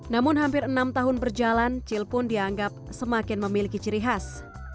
namun hampir enam tahun berjalan cil pun dianggap semakin memiliki ciri khas